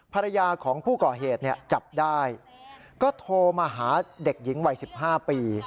ภรรยาของผู้ก่อเหตุจับได้ก็โทรมาหาเด็กหญิงวัย๑๕ปี